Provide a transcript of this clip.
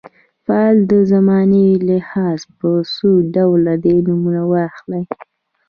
فعل د زمانې په لحاظ په څو ډوله دی نومونه واخلئ.